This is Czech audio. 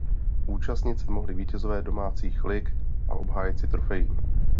Účastnit se mohli vítězové domácích lig a obhájci trofejí.